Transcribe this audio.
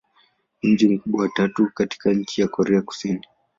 Ni mji mkubwa wa tatu katika nchi wa Korea Kusini.